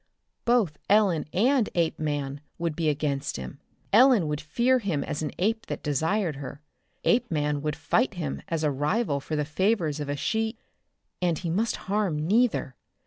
Both Ellen and Apeman would be against him. Ellen would fear him as an ape that desired her. Apeman would fight against him as a rival for the favors of a she.... And he must harm neither.